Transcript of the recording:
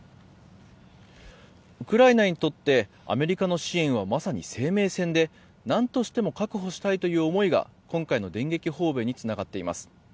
ウクライナにとってアメリカの支援はまさに生命線でなんとしても確保したいという思いが今回の電撃訪米につながっています。